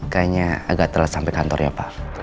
kayaknya agak telat sampai kantor ya pak